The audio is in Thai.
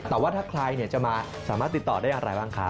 แต่ว่าถ้าใครจะมาสามารถติดต่อได้อะไรบ้างคะ